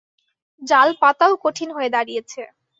জাল পাতাও কঠিন হয়ে দাঁড়িয়েছে।